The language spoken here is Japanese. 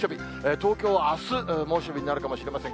東京はあす、猛暑日になるかもしれません。